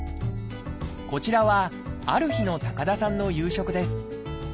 こちらはある日の高田さんの夕食です。